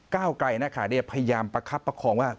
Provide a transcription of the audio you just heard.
ก้าวกลายนะค่ะพยามบัดครับประของว่า